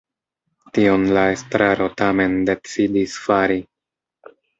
Tion la estraro tamen decidis fari.